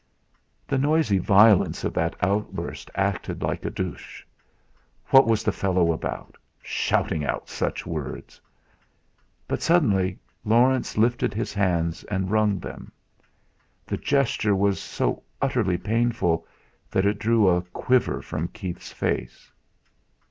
The noisy violence of that outburst acted like a douche. What was the fellow about shouting out such words! But suddenly Laurence lifted his hands and wrung them. The gesture was so utterly painful that it drew a quiver from Keith's face.